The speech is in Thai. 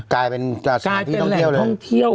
กลายเป็นแหล่งท่องเที่ยว